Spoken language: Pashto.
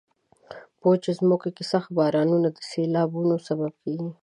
په وچو ځمکو کې سخت بارانونه د سیلابونو سبب کیږي.